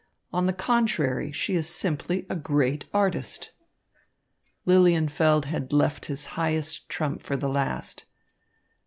On the contrary she is simply a great artist." Lilienfeld had left his highest trump for the last.